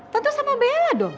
tentu sama bella dong